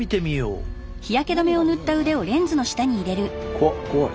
怖っ怖い。